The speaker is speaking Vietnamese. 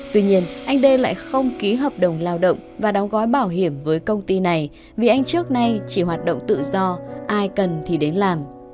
tuy nhiên anh đê lại không ký hợp đồng lao động và đóng gói bảo hiểm với công ty này vì anh trước nay chỉ hoạt động tự do ai cần thì đến làm